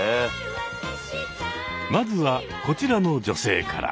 まずはこちらの女性から。